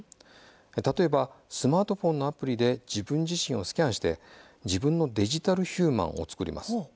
例えばスマートフォンのアプリで自分自身をスキャンして自分のデジタルヒューマンを作ります。